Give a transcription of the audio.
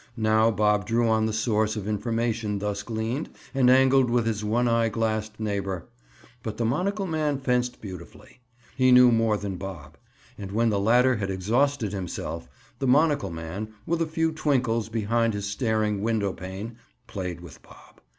Now Bob drew on the source of information thus gleaned and angled with his one eye glassed neighbor. But the monocle man fenced beautifully; he knew more than Bob. And when the latter had exhausted himself, the monocle man, with a few twinkles behind his staring window pane, played with Bob.